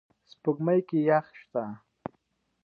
سپوږمۍ کې یخ شته